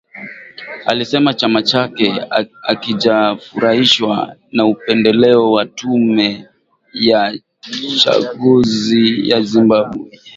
alisema chama chake hakijafurahishwa na upendeleo wa tume ya uchaguzi ya Zimbabwe